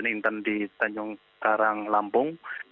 dan intern di tanjung karang lampung